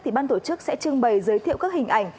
thì ban tổ chức sẽ trưng bày giới thiệu các hình ảnh